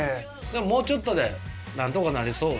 もうちょっとでなんとかなりそう？